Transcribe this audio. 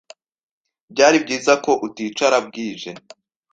Byari byiza ko uticara bwije.